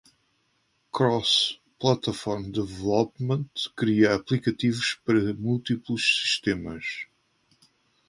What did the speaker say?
Cross-Platform Development cria aplicativos para múltiplos sistemas.